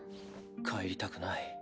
帰りたくない。